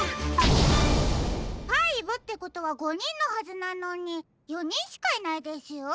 ５ってことは５にんのはずなのに４にんしかいないですよ。